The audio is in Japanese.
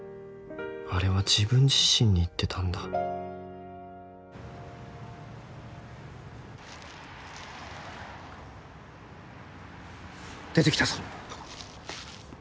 あれは自分自身に言ってたんだ出てきたぞ。